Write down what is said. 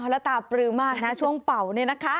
แล้วตาปลือมากนะช่วงเป่านี่นะคะ